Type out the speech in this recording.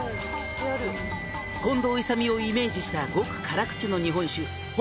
「近藤勇をイメージした極辛口の日本酒」